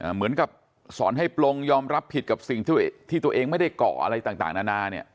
เหมือนกับสอนให้ปลงยอมรับผิดกับสิ่งที่ตัวเองไม่ได้เกาะอะไรต่างนานาเนี่ย